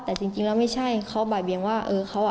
แต่จริงแล้วไม่ใช่เขาบ่ายเบียงว่าเออเขาอ่ะ